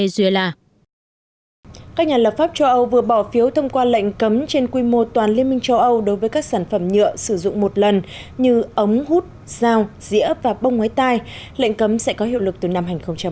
bắc châu âu vừa bỏ phiếu thông qua lệnh cấm trên quy mô toàn liên minh châu âu đối với các sản phẩm nhựa sử dụng một lần như ống hút dao dĩa và bông ngoái tai lệnh cấm sẽ có hiệu lực từ năm hai nghìn hai mươi một